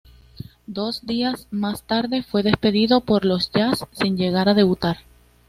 Dos días más tarde fue despedido por los Jazz sin llegar a debutar.